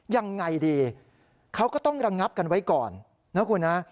ยังไงดีเขาก็ต้องระงับกันไว้ก่อนนะคุณนะ